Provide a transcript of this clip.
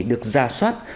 được ra soát